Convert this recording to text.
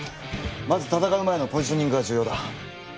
まず闘う前のポジショニングが重要だ。